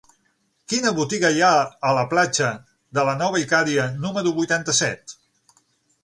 Quina botiga hi ha a la platja de la Nova Icària número vuitanta-set?